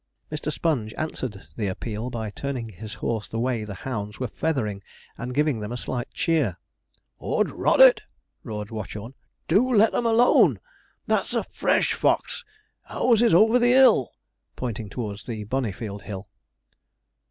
Mr. Sponge answered the appeal by turning his horse the way the hounds were feathering, and giving them a slight cheer. ''Ord rot it!' roared Watchorn, 'do let 'em alone! that's a fresh fox! ours is over the 'ill,' pointing towards Bonnyfield Hill.